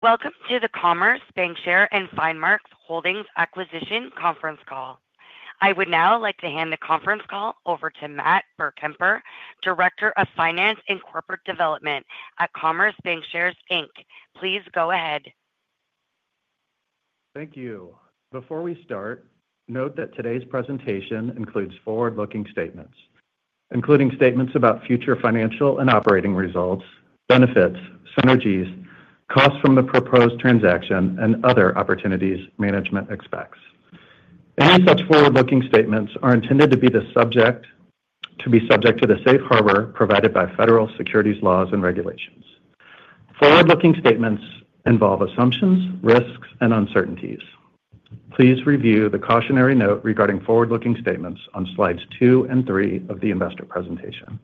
Welcome to the Commerce Bancshares and FineMark Holdings Acquisition Conference Call. I would now like to hand the conference call over to Matt Burkemper, Director of Finance and Corporate Development at Commerce Bancshares Inc. Please go ahead. Thank you. Before we start, note that today's presentation includes forward-looking statements, including statements about future financial and operating results, benefits, synergies, costs from the proposed transaction, and other opportunities management expects. Any such forward-looking statements are intended to be subject to the safe harbor provided by federal securities laws and regulations. Forward-looking statements involve assumptions, risks, and uncertainties. Please review the cautionary note regarding forward-looking statements on slides two and three of the investor presentation.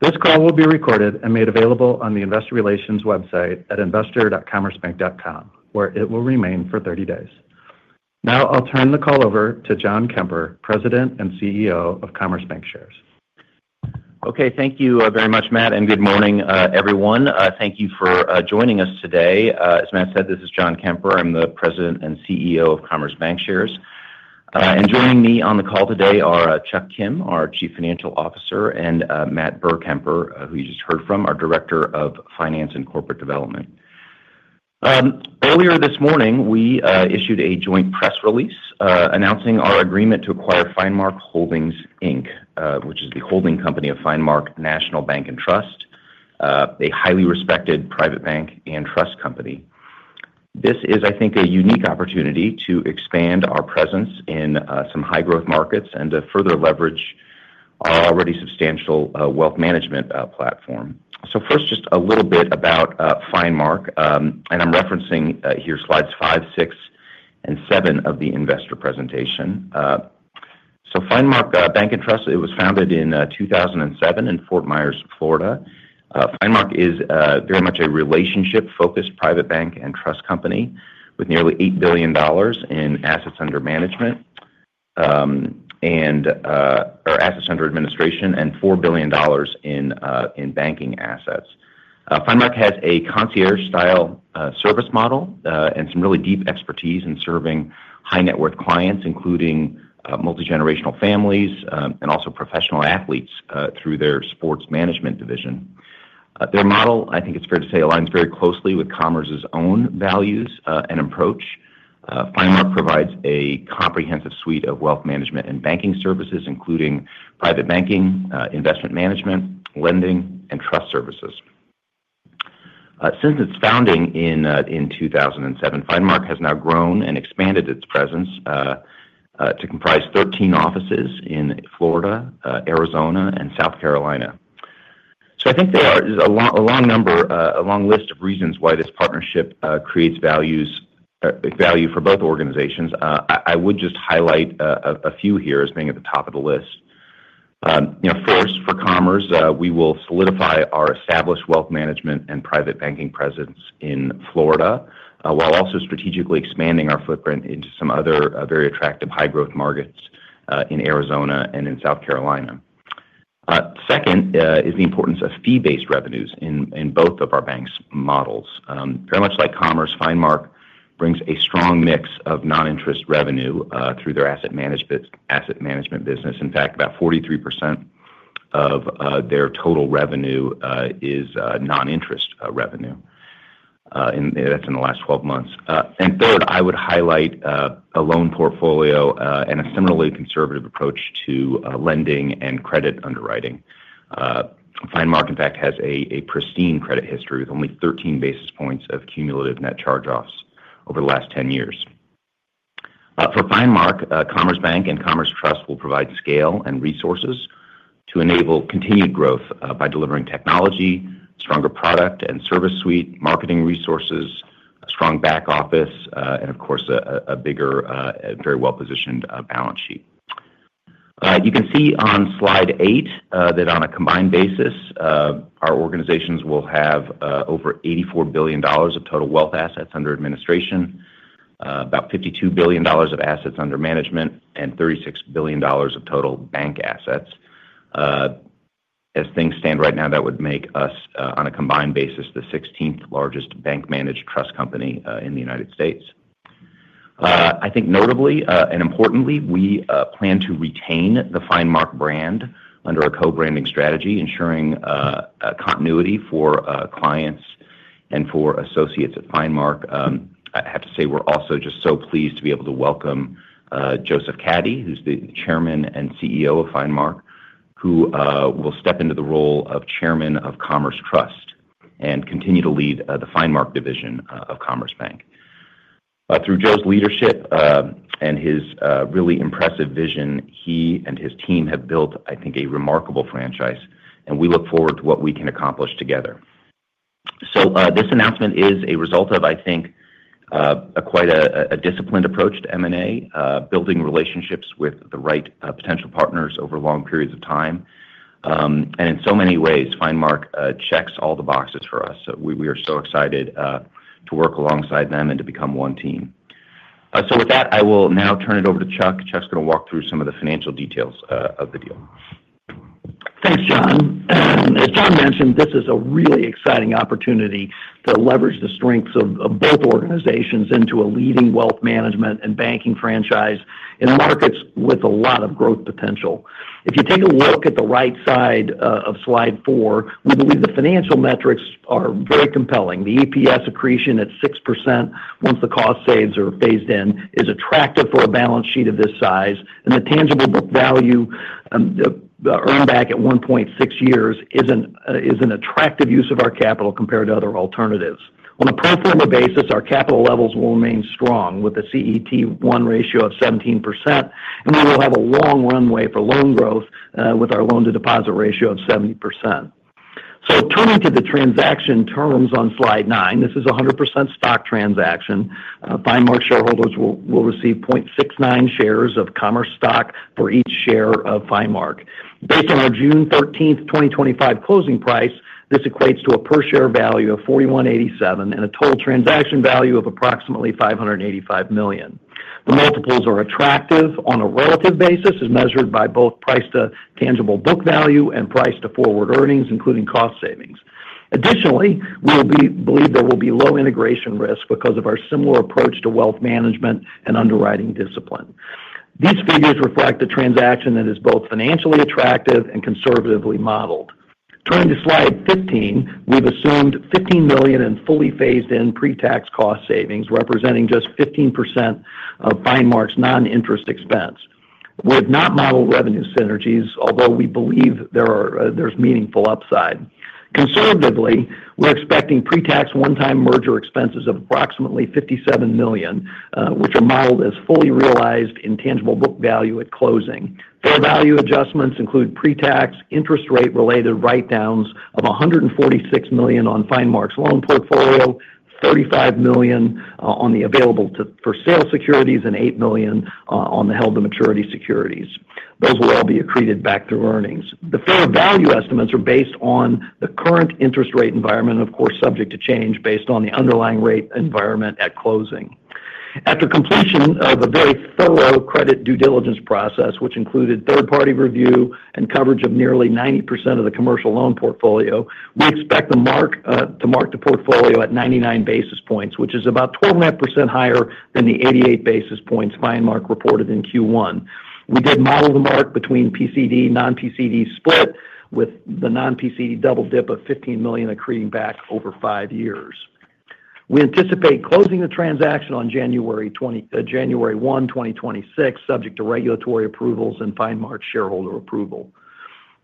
This call will be recorded and made available on the investor relations website at investor.commercebank.com, where it will remain for 30 days. Now I'll turn the call over to John Kemper, President and CEO of Commerce Bancshares. Okay, thank you very much, Matt, and good morning, everyone. Thank you for joining us today. As Matt said, this is John Kemper. I'm the President and CEO of Commerce Bancshares. Joining me on the call today are Chuck Kim, our Chief Financial Officer, and Matt Burkemper, who you just heard from, our Director of Finance and Corporate Development. Earlier this morning, we issued a joint press release announcing our agreement to acquire FineMark Holdings Inc, which is the holding company of FineMark National Bank & Trust, a highly respected private bank and trust company. This is, I think, a unique opportunity to expand our presence in some high-growth markets and to further leverage our already substantial wealth management platform. First, just a little bit about FineMark, and I'm referencing here slides five, six, and seven of the investor presentation. FineMark National Bank & Trust, it was founded in 2007 in Fort Myers, Florida. FineMark is very much a relationship-focused private bank and trust company with nearly $8 billion in assets under management and or assets under administration and $4 billion in banking assets. FineMark has a concierge-style service model and some really deep expertise in serving high-net-worth clients, including multi-generational families and also professional athletes through their sports management division. Their model, I think it's fair to say, aligns very closely with Commerce's own values and approach. FineMark provides a comprehensive suite of wealth management and banking services, including private banking, investment management, lending, and trust services. Since its founding in 2007, FineMark has now grown and expanded its presence to comprise 13 offices in Florida, Arizona, and South Carolina. I think there are a long list of reasons why this partnership creates value for both organizations. I would just highlight a few here as being at the top of the list. First, for Commerce, we will solidify our established wealth management and private banking presence in Florida while also strategically expanding our footprint into some other very attractive high-growth markets in Arizona and in South Carolina. Second is the importance of fee-based revenues in both of our banks' models. Very much like Commerce, FineMark brings a strong mix of non-interest revenue through their asset management business. In fact, about 43% of their total revenue is non-interest revenue. That is in the last 12 months. Third, I would highlight a loan portfolio and a similarly conservative approach to lending and credit underwriting. FineMark, in fact, has a pristine credit history with only 13 basis points of cumulative net charge-offs over the last 10 years. For FineMark, Commerce Bank and Commerce Trust will provide scale and resources to enable continued growth by delivering technology, stronger product and service suite, marketing resources, a strong back office, and of course, a bigger, very well-positioned balance sheet. You can see on slide eight that on a combined basis, our organizations will have over $84 billion of total wealth assets under administration, about $52 billion of assets under management, and $36 billion of total bank assets. As things stand right now, that would make us, on a combined basis, the 16th largest bank-managed trust company in the United States. I think notably and importantly, we plan to retain the FineMark brand under a co-branding strategy, ensuring continuity for clients and for associates at FineMark. I have to say we're also just so pleased to be able to welcome Joseph Caddy, who's the Chairman and CEO of FineMark, who will step into the role of Chairman of Commerce Trust and continue to lead the FineMark division of Commerce Bank. Through Joe's leadership and his really impressive vision, he and his team have built, I think, a remarkable franchise, and we look forward to what we can accomplish together. This announcement is a result of, I think, quite a disciplined approach to M&A, building relationships with the right potential partners over long periods of time. In so many ways, FineMark checks all the boxes for us. We are so excited to work alongside them and to become one team. With that, I will now turn it over to Chuck. Chuck's going to walk through some of the financial details of the deal. Thanks, John. As John mentioned, this is a really exciting opportunity to leverage the strengths of both organizations into a leading wealth management and banking franchise in markets with a lot of growth potential. If you take a look at the right side of slide four, we believe the financial metrics are very compelling. The EPS accretion at 6% once the cost saves are phased in is attractive for a balance sheet of this size, and the tangible book value earned back at 1.6 years is an attractive use of our capital compared to other alternatives. On a pro forma basis, our capital levels will remain strong with a CET1 ratio of 17%, and we will have a long runway for loan growth with our loan-to-deposit ratio of 70%. Turning to the transaction terms on slide nine, this is a 100% stock transaction. FineMark shareholders will receive 0.69 shares of Commerce stock for each share of FineMark. Based on our June 13th, 2025 closing price, this equates to a per-share value of $4,187 and a total transaction value of approximately $585 million. The multiples are attractive on a relative basis as measured by both price to tangible book value and price to forward earnings, including cost savings. Additionally, we believe there will be low integration risk because of our similar approach to wealth management and underwriting discipline. These figures reflect a transaction that is both financially attractive and conservatively modeled. Turning to slide 15, we've assumed $15 million in fully phased-in pre-tax cost savings, representing just 15% of FineMark's non-interest expense. We have not modeled revenue synergies, although we believe there's meaningful upside. Conservatively, we're expecting pre-tax one-time merger expenses of approximately $57 million, which are modeled as fully realized intangible book value at closing. Fair value adjustments include pre-tax interest-rate-related write-downs of $146 million on FineMark's loan portfolio, $35 million on the available-for-sale securities, and $8 million on the held-to-maturity securities. Those will all be accreted back through earnings. The fair value estimates are based on the current interest rate environment, of course, subject to change based on the underlying rate environment at closing. After completion of a very thorough credit due diligence process, which included third-party review and coverage of nearly 90% of the commercial loan portfolio, we expect to mark the portfolio at 99 basis points, which is about 12.5% higher than the 88 basis points FineMark reported in Q1. We did model the mark between PCD/non-PCD split with the non-PCD double dip of $15 million accreting back over five years. We anticipate closing the transaction on January 1, 2026, subject to regulatory approvals and FineMark's shareholder approval.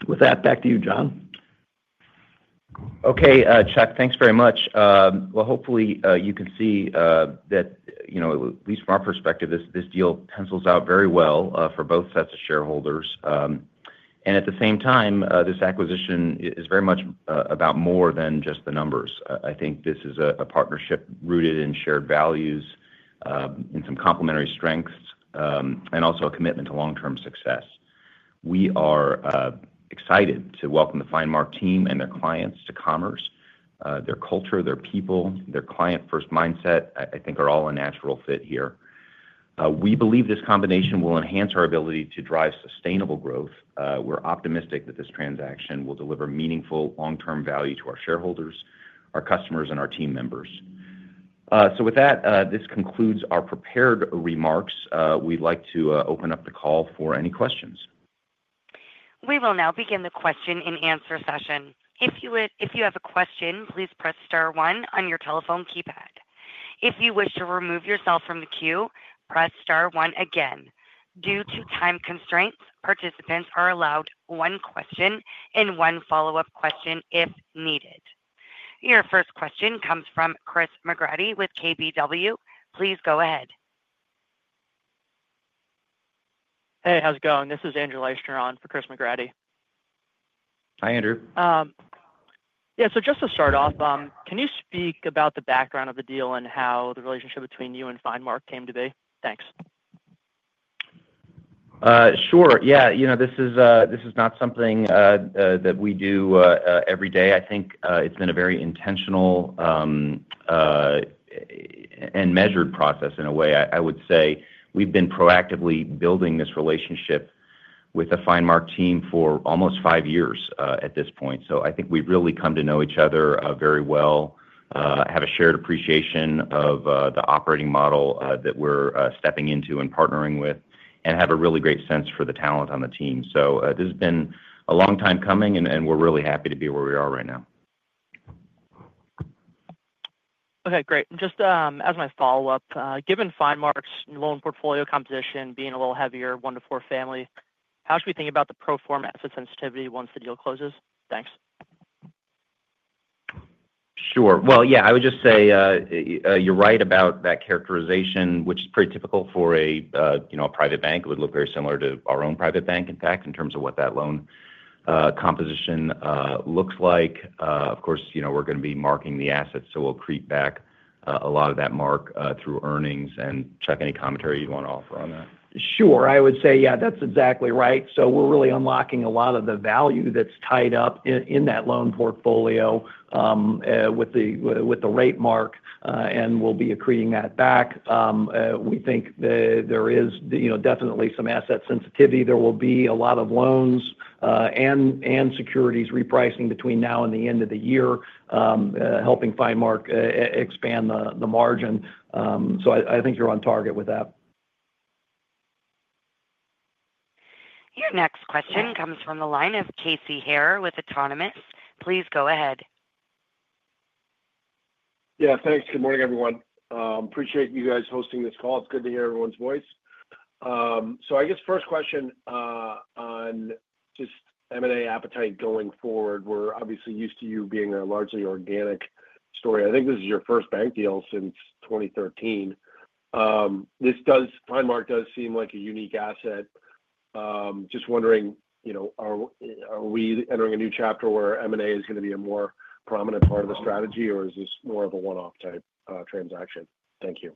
With that, back to you, John. Okay, Chuck, thanks very much. Hopefully, you can see that, at least from our perspective, this deal pencils out very well for both sets of shareholders. At the same time, this acquisition is very much about more than just the numbers. I think this is a partnership rooted in shared values and some complementary strengths and also a commitment to long-term success. We are excited to welcome the FineMark team and their clients to Commerce. Their culture, their people, their client-first mindset, I think, are all a natural fit here. We believe this combination will enhance our ability to drive sustainable growth. We're optimistic that this transaction will deliver meaningful long-term value to our shareholders, our customers, and our team members. With that, this concludes our prepared remarks. We'd like to open up the call for any questions. We will now begin the question and answer session. If you have a question, please press star one on your telephone keypad. If you wish to remove yourself from the queue, press star one again. Due to time constraints, participants are allowed one question and one follow-up question if needed. Your first question comes from Chris McGrady with KBW. Please go ahead. Hey, how's it going? This is Andrew Leischner on for Chris McGrady. Hi, Andrew. Yeah, so just to start off, can you speak about the background of the deal and how the relationship between you and FineMark came to be? Thanks. Sure. Yeah, this is not something that we do every day. I think it's been a very intentional and measured process in a way. I would say we've been proactively building this relationship with the FineMark team for almost five years at this point. I think we've really come to know each other very well, have a shared appreciation of the operating model that we're stepping into and partnering with, and have a really great sense for the talent on the team. This has been a long time coming, and we're really happy to be where we are right now. Okay, great. Just as my follow-up, given FineMark's loan portfolio composition being a little heavier, one to four family, how should we think about the pro forma asset sensitivity once the deal closes? Thanks. Sure. Yeah, I would just say you're right about that characterization, which is pretty typical for a private bank. It would look very similar to our own private bank, in fact, in terms of what that loan composition looks like. Of course, we're going to be marking the assets, so we'll accrete back a lot of that mark through earnings. Chuck, any commentary you want to offer on that? Sure. I would say, yeah, that's exactly right. We're really unlocking a lot of the value that's tied up in that loan portfolio with the rate mark, and we'll be accreting that back. We think there is definitely some asset sensitivity. There will be a lot of loans and securities repricing between now and the end of the year, helping FineMark expand the margin. I think you're on target with that. Your next question comes from the line of Casey Hare with Autonomous. Please go ahead. Yeah, thanks. Good morning, everyone. Appreciate you guys hosting this call. It's good to hear everyone's voice. I guess first question on just M&A appetite going forward. We're obviously used to you being a largely organic story. I think this is your first bank deal since 2013. FineMark does seem like a unique asset. Just wondering, are we entering a new chapter where M&A is going to be a more prominent part of the strategy, or is this more of a one-off type transaction? Thank you.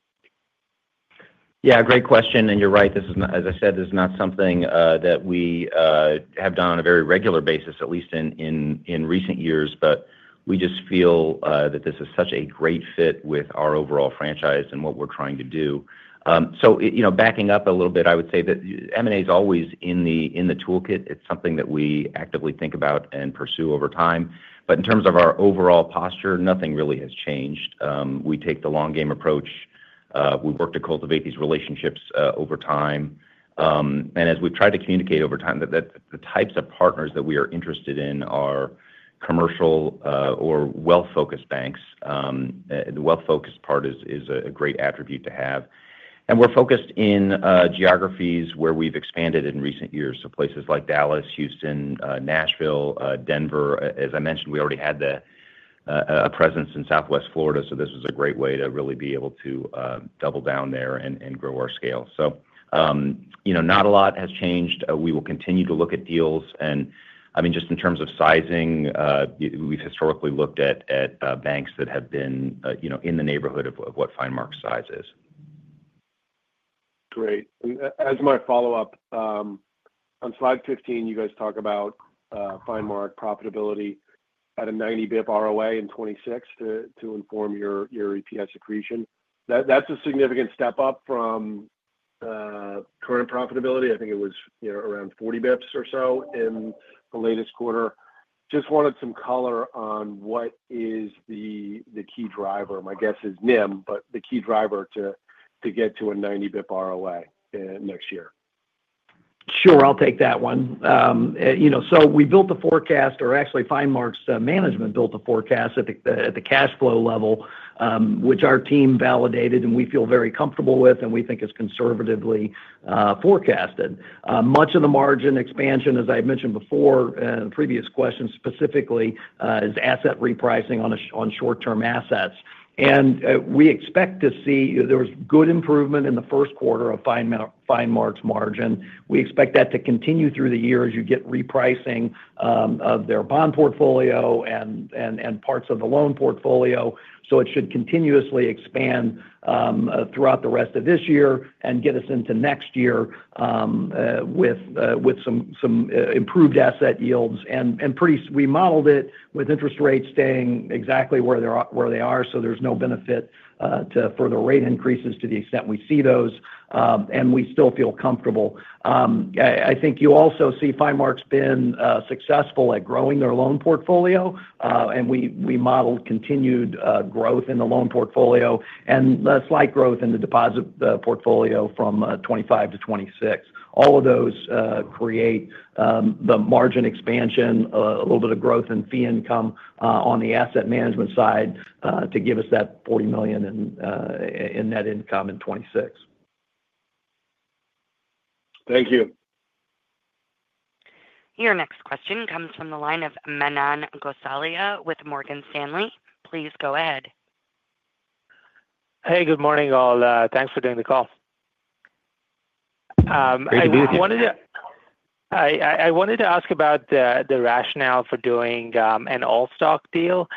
Yeah, great question. And you're right. As I said, this is not something that we have done on a very regular basis, at least in recent years, but we just feel that this is such a great fit with our overall franchise and what we're trying to do. Backing up a little bit, I would say that M&A is always in the toolkit. It's something that we actively think about and pursue over time. In terms of our overall posture, nothing really has changed. We take the long-game approach. We work to cultivate these relationships over time. As we've tried to communicate over time, the types of partners that we are interested in are commercial or wealth-focused banks. The wealth-focused part is a great attribute to have. We're focused in geographies where we've expanded in recent years, so places like Dallas, Houston, Nashville, Denver. As I mentioned, we already had a presence in southwest Florida, so this was a great way to really be able to double down there and grow our scale. Not a lot has changed. We will continue to look at deals. I mean, just in terms of sizing, we've historically looked at banks that have been in the neighborhood of what FineMark's size is. Great. As my follow-up, on slide 15, you guys talk about FineMark profitability at a 90 bp ROA in 2026 to inform your EPS accretion. That's a significant step up from current profitability. I think it was around 40 bps or so in the latest quarter. Just wanted some color on what is the key driver. My guess is NIM, but the key driver to get to a 90-basis point ROA next year. Sure, I'll take that one. We built the forecast, or actually, FineMark' management built the forecast at the cash flow level, which our team validated, and we feel very comfortable with, and we think is conservatively forecasted. Much of the margin expansion, as I mentioned before in the previous question specifically, is asset repricing on short-term assets. We expect to see there was good improvement in the first quarter of FineMark' margin. We expect that to continue through the year as you get repricing of their bond portfolio and parts of the loan portfolio. It should continuously expand throughout the rest of this year and get us into next year with some improved asset yields. We modeled it with interest rates staying exactly where they are, so there is no benefit to further rate increases to the extent we see those, and we still feel comfortable. I think you also see FineMark being successful at growing their loan portfolio, and we modeled continued growth in the loan portfolio and slight growth in the deposit portfolio from 2025 to 2026. All of those create the margin expansion, a little bit of growth in fee income on the asset management side to give us that $40 million in net income in 2026. Thank you. Your next question comes from the line of Manan Gosalia with Morgan Stanley. Please go ahead. Hey, good morning, all. Thanks for doing the call. [How 'you doing?] I wanted to ask about the rationale for doing an all-stock deal.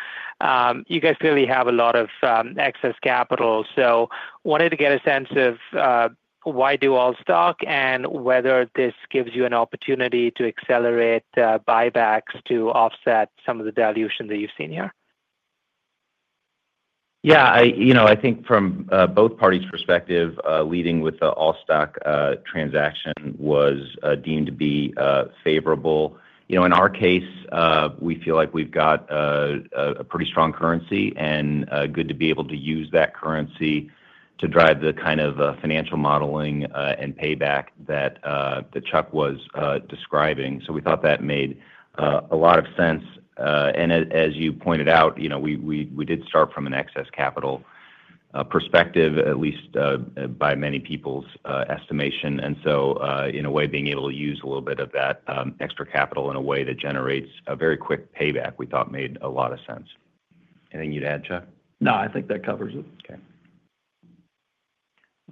You guys clearly have a lot of excess capital, so I wanted to get a sense of why do all-stock and whether this gives you an opportunity to accelerate buybacks to offset some of the dilution that you've seen here. Yeah, I think from both parties' perspective, leading with the all-stock transaction was deemed to be favorable. In our case, we feel like we've got a pretty strong currency and good to be able to use that currency to drive the kind of financial modeling and payback that Chuck was describing. We thought that made a lot of sense. As you pointed out, we did start from an excess capital perspective, at least by many people's estimation. In a way, being able to use a little bit of that extra capital in a way that generates a very quick payback we thought made a lot of sense. Anything you'd add, Chuck? No, I think that covers it.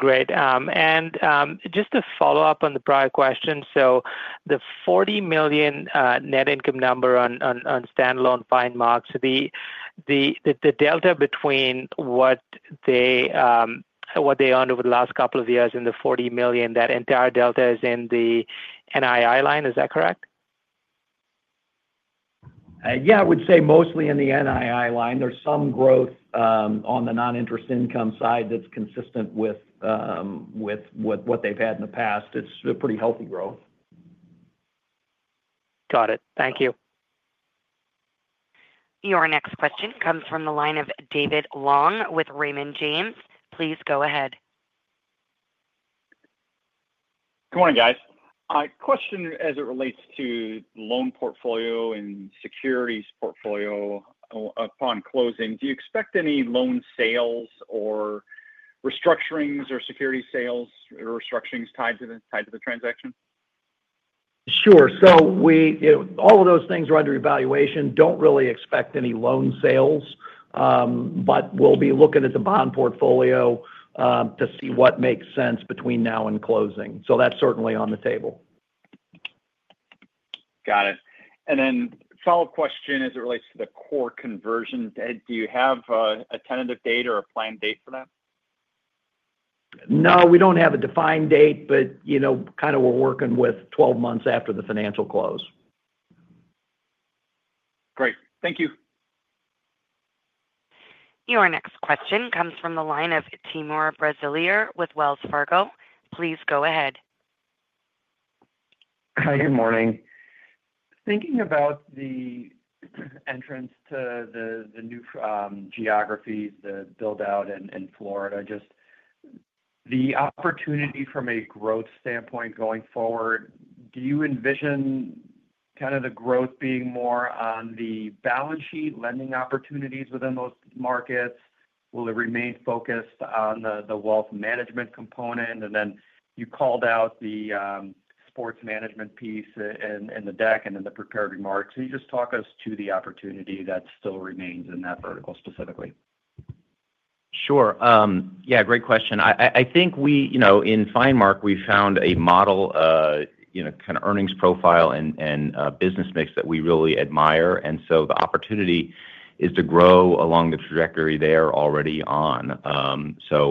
Okay. Great. Just to follow up on the prior question, the $40 million net income number on standalone FineMark, the delta between what they earned over the last couple of years and the $40 million, that entire delta is in the NII line. Is that correct? Yeah, I would say mostly in the NII line. There's some growth on the non-interest income side that's consistent with what they've had in the past. It's a pretty healthy growth. Got it. Thank you. Your next question comes from the line of David Long with Raymond James. Please go ahead. Good morning, guys. Question as it relates to loan portfolio and securities portfolio upon closing. Do you expect any loan sales or restructurings or securities sales or restructurings tied to the transaction? Sure. All of those things are under evaluation. Don't really expect any loan sales, but we'll be looking at the bond portfolio to see what makes sense between now and closing. That's certainly on the table. Got it. And then follow-up question as it relates to the core conversion. Do you have a tentative date or a planned date for that? No, we don't have a defined date, but kind of we're working with 12 months after the financial close. Great. Thank you. Your next question comes from the line of Timur Braziler with Wells Fargo. Please go ahead. Hi, good morning. Thinking about the entrance to the new geographies, the build-out in Florida, just the opportunity from a growth standpoint going forward, do you envision kind of the growth being more on the balance sheet lending opportunities within those markets? Will it remain focused on the wealth management component? You called out the sports management piece in the deck and in the prepared remarks. Can you just talk us to the opportunity that still remains in that vertical specifically? Sure. Yeah, great question. I think in FineMark, we found a model kind of earnings profile and business mix that we really admire. The opportunity is to grow along the trajectory they're already on.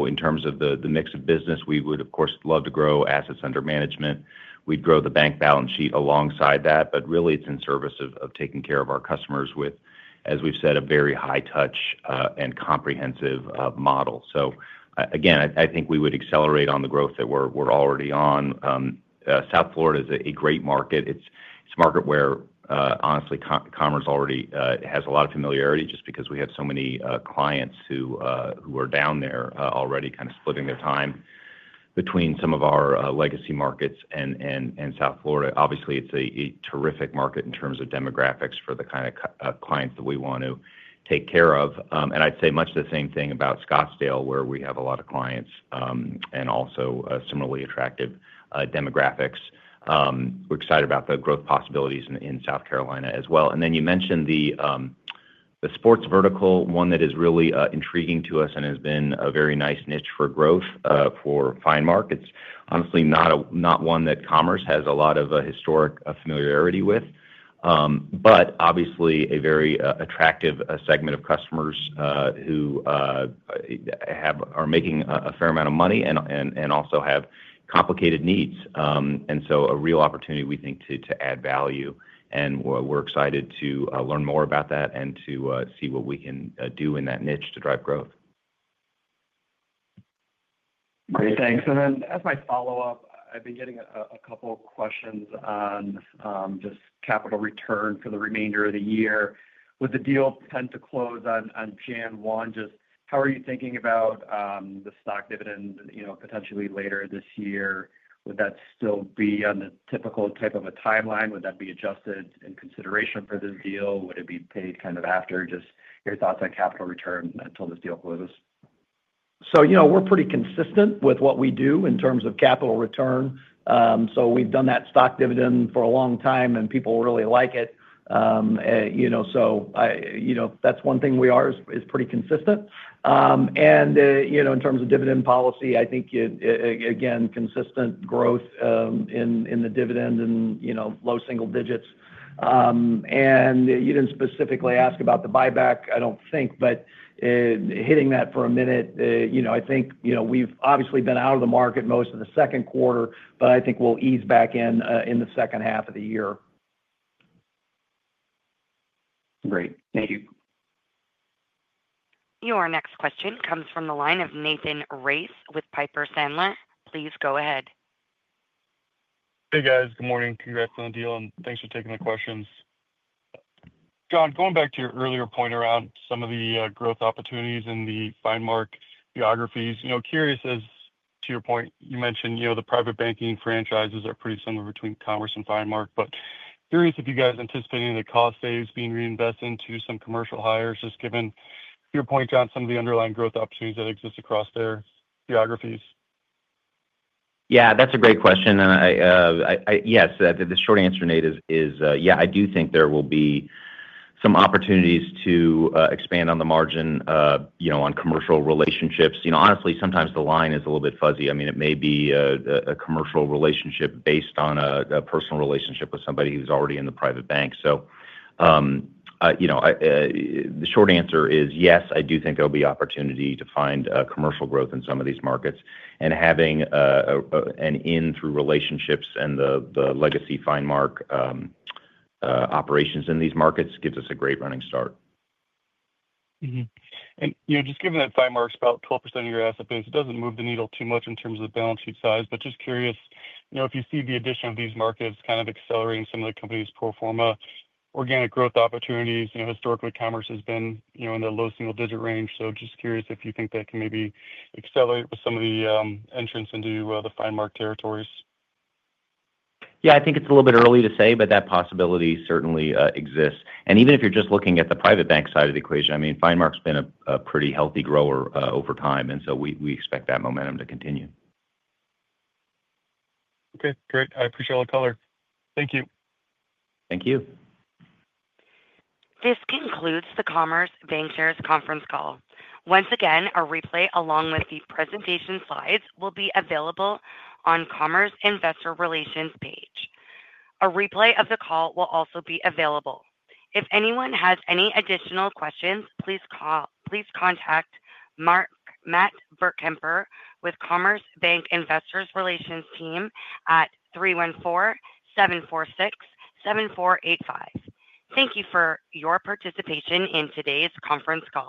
In terms of the mix of business, we would, of course, love to grow assets under management. We'd grow the bank balance sheet alongside that, but really, it's in service of taking care of our customers with, as we've said, a very high-touch and comprehensive model. Again, I think we would accelerate on the growth that we're already on. South Florida is a great market. It's a market where, honestly, Commerce already has a lot of familiarity just because we have so many clients who are down there already kind of splitting their time between some of our legacy markets and South Florida. Obviously, it's a terrific market in terms of demographics for the kind of clients that we want to take care of. I'd say much the same thing about Scottsdale, where we have a lot of clients and also similarly attractive demographics. We're excited about the growth possibilities in South Carolina as well. You mentioned the sports vertical, one that is really intriguing to us and has been a very nice niche for growth for FineMark. It's honestly not one that Commerce has a lot of historic familiarity with, but obviously a very attractive segment of customers who are making a fair amount of money and also have complicated needs. A real opportunity, we think, to add value. We're excited to learn more about that and to see what we can do in that niche to drive growth. Great. Thanks. As my follow-up, I've been getting a couple of questions on just capital return for the remainder of the year. Would the deal tend to close on January 1? Just how are you thinking about the stock dividend potentially later this year? Would that still be on the typical type of a timeline? Would that be adjusted in consideration for this deal? Would it be paid kind of after? Just your thoughts on capital return until this deal closes? We're pretty consistent with what we do in terms of capital return. We've done that stock dividend for a long time, and people really like it. One thing we are is pretty consistent. In terms of dividend policy, I think, again, consistent growth in the dividend and low single digits. You did not specifically ask about the buyback, I do not think, but hitting that for a minute, I think we've obviously been out of the market most of the second quarter, but I think we'll ease back in in the second half of the year. Great. Thank you. Your next question comes from the line of Nathan Race with Piper Sandler. Please go ahead. Hey, guys. Good morning. Congrats on the deal, and thanks for taking the questions. John, going back to your earlier point around some of the growth opportunities in the FineMark geographies, curious, as to your point, you mentioned the private banking franchises are pretty similar between Commerce and FineMark, but curious if you guys are anticipating the cost savings being reinvested into some commercial hires, just given your point on some of the underlying growth opportunities that exist across their geographies. Yeah, that's a great question. Yes, the short answer to Nate is, yeah, I do think there will be some opportunities to expand on the margin on commercial relationships. Honestly, sometimes the line is a little bit fuzzy. I mean, it may be a commercial relationship based on a personal relationship with somebody who's already in the private bank. The short answer is, yes, I do think there will be opportunity to find commercial growth in some of these markets. Having an in through relationships and the legacy FineMark operations in these markets gives us a great running start. Just given that FineMark is about 12% of your asset base, it does not move the needle too much in terms of the balance sheet size, but just curious if you see the addition of these markets kind of accelerating some of the company's pro forma organic growth opportunities. Historically, Commerce has been in the low single-digit range. Just curious if you think that can maybe accelerate with some of the entrance into the FineMark territories. Yeah, I think it's a little bit early to say, but that possibility certainly exists. Even if you're just looking at the private bank side of the equation, I mean, FineMark has been a pretty healthy grower over time, and we expect that momentum to continue. Okay. Great. I appreciate all the color. Thank you. Thank you. This concludes the Commerce Bancshares Conference Call. Once again, a replay along with the presentation slides will be available on the Commerce Investor Relations page. A replay of the call will also be available. If anyone has any additional questions, please contact Matt Burkemper with the Commerce Bank Investor Relations team at 314-746-7485. Thank you for your participation in today's conference call.